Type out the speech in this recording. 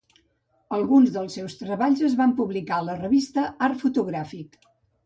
Alguns dels seus treballs es van publicar a la revista Art Fotogràfic.